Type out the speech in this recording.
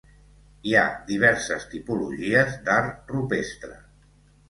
Hi ha diverses tipologies d'art rupestre.